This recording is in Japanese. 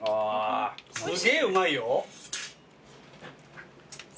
すげえうまいよ。